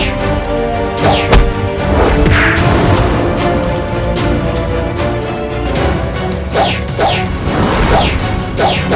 juru bahawa ditak south bev